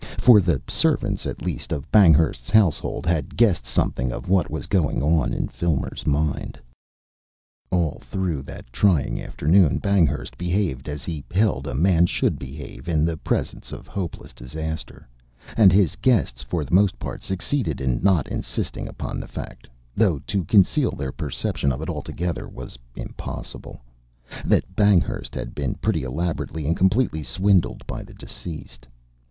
For the servants at least of Banghurst's household had guessed something of what was going on in Filmer's mind. All through that trying afternoon Banghurst behaved as he held a man should behave in the presence of hopeless disaster, and his guests for the most part succeeded in not insisting upon the fact though to conceal their perception of it altogether was impossible that Banghurst had been pretty elaborately and completely swindled by the deceased.